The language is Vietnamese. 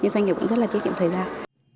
nhưng doanh nghiệp cũng rất là tiết kiệm thời gian